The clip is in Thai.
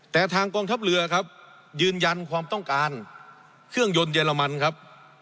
แต่ทางกองทัพเรือครับยืนยันความต้องการเครื่องยนต์เยอรมันครับ